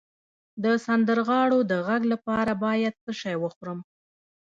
د سندرغاړو د غږ لپاره باید څه شی وخورم؟